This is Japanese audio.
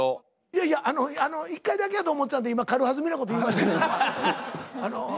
いやいやあの１回だけやと思ってたんで今軽はずみなこと言いましたけども。